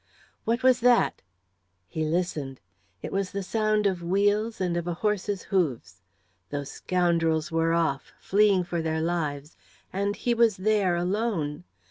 What was that? He listened. It was the sound of wheels and of a horse's hoofs. Those scoundrels were off fleeing for their lives. And he was there alone!